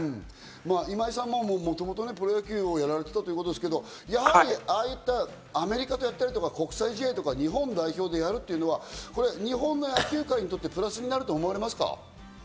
今井さんももともとプロ野球をやられていたということですけど、やはり、ああいったアメリカとやったり、国際試合、日本代表でやるというのは日本の野球界にとってプラスになると思われますか？